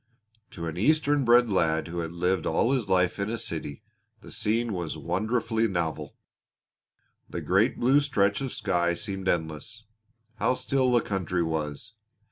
To an eastern bred lad who had lived all his life in a city the scene was wonderfully novel. The great blue stretch of sky seemed endless. How still the country was!